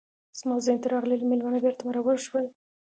زما ذهن ته راغلي میلمانه بیرته مرور شول.